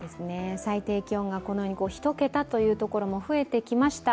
最低気温が１桁という所も増えてきました。